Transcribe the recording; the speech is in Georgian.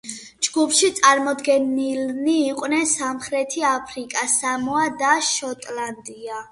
ჯგუფში წარმოდგენილნი იყვნენ სამხრეთი აფრიკა, სამოა და შოტლანდია.